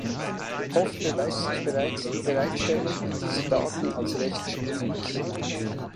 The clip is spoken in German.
Oft erweist sich bereits die Bereitstellung dieser Daten als recht schwierig.